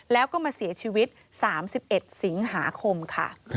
แล้วก็มาเสียชีวิต๓๑สิงหาคมค่ะ